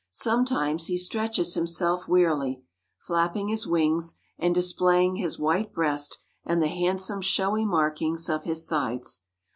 Sometimes he stretches himself wearily, flapping his wings, and displaying his white breast and the handsome, showy markings of his sides.